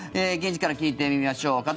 現地から聞いてみましょう。